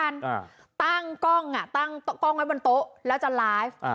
อ่าตั้งกล้องอ่ะตั้งกล้องไว้บนโต๊ะแล้วจะไลฟ์อ่า